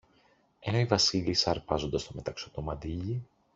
ενώ η Βασίλισσα αρπάζοντας το μεταξωτό μαντίλι